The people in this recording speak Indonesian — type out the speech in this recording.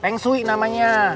peng sui namanya